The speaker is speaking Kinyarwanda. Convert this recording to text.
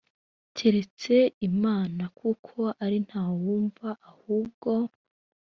keretse imana kuko ari ntawumva ahubwo